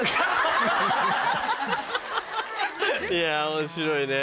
いや面白いね。